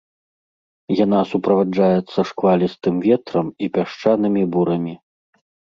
Яна суправаджаецца шквалістым ветрам і пясчанымі бурамі.